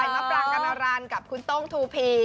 ไหว้มาปรังกรรณารันด์กับคุณต้งทูพี